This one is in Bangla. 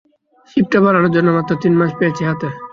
শিপটা বানানোর জন্য মাত্র তিন মাস পেয়েছি হাতে।